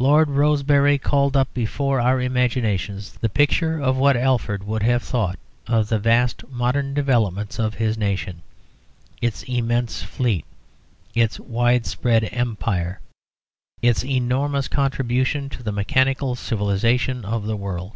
Lord Rosebery called up before our imaginations the picture of what Alfred would have thought of the vast modern developments of his nation, its immense fleet, its widespread Empire, its enormous contribution to the mechanical civilisation of the world.